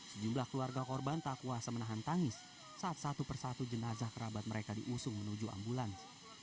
sejumlah keluarga korban tak kuasa menahan tangis saat satu persatu jenazah kerabat mereka diusung menuju ambulans